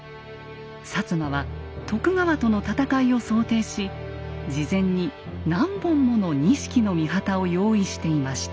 摩は徳川との戦いを想定し事前に何本もの錦の御旗を用意していました。